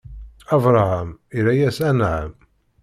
Abṛaham irra-yas: Anɛam!